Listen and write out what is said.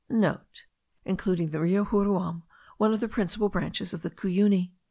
(* Including the Rio Juruam, one of the principal branches of the Cuyuni.